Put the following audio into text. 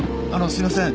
すいません。